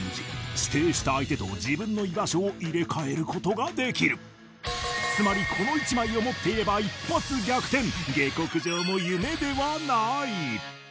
指定した相手と自分の居場所を入れ替えることができるつまりこの１枚を持っていれば一発逆転下克上も夢ではない！